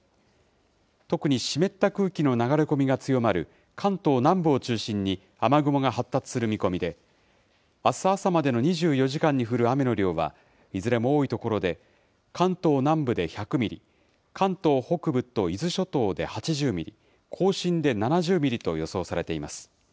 特に湿った空気の流れ込みが強まる関東南部を中心に、雨雲が発達する見込みで、あす朝までの２４時間に降る雨の量は、いずれも多い所で、関東南部で１００ミリ、関東北部と伊豆諸島で８０ミリ、甲信で７０ミリと予想されています。